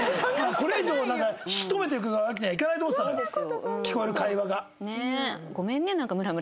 これ以上引き止めとくわけにはいかないと思ってたから聞こえる会話が。ねえ。